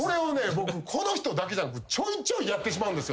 僕この人だけじゃなくちょいちょいやってしまうんです。